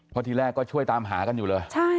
เพราะทีแรกก็ช่วยตามหากันอยู่เลย